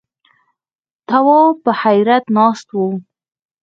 تواب په حيرت ناست و.